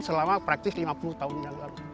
selama praktis lima puluh tahun yang lalu